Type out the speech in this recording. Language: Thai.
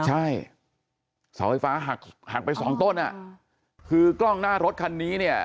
ใช่เสาไฟฟ้าหักหักไปสองต้นอ่ะคือกล้องหน้ารถคันนี้เนี่ย